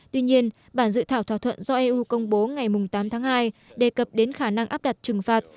tuy nhiên bản dự thảo thỏa thuận do eu công bố ngày tám tháng hai đề cập đến khả năng áp đặt trừng phạt